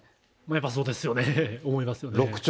やっぱそうですよね、思いますよね。